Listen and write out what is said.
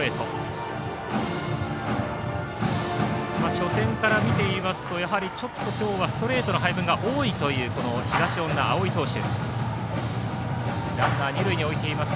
初戦から見ていますとちょっと今日はストレートの配分が多いという東恩納蒼投手。